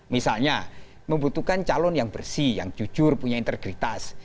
misalnya membutuhkan calon yang bersih yang jujur punya integritas